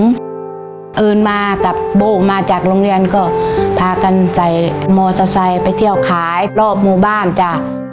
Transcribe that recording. ตื่นมากับโบ้มาจากโรงเรียนก็พากันใส่มอเตอร์ไซค์ไปเที่ยวขายรอบหมู่บ้านจ้ะ